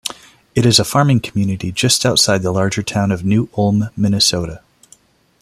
It is a farming community just outside the larger town of New Ulm, Minnesota.